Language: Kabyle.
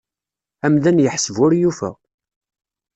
Amdan yeḥseb ur yufa.